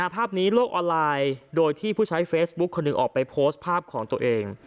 ภาพนี้โลกออนไลน์โดยที่ผู้ใช้เฟซบุ๊คคนหนึ่งออกไปโพสต์ภาพของตัวเอง